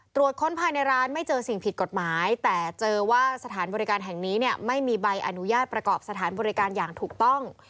ค้นภายในร้านไม่เจอสิ่งผิดกฎหมายแต่เจอว่าสถานบริการแห่งนี้เนี่ยไม่มีใบอนุญาตประกอบสถานบริการอย่างถูกต้อง